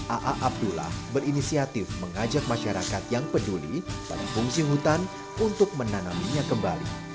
aa abdullah berinisiatif mengajak masyarakat yang peduli pada fungsi hutan untuk menanaminya kembali